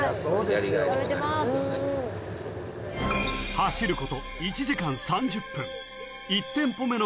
［走ること１時間３０分］